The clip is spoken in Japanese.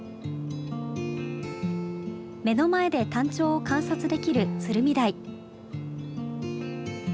目の前でタンチョウを観察できる鶴見台。